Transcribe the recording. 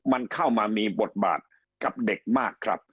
มันเข้ามามีบทบาทกับเด็กมากครับ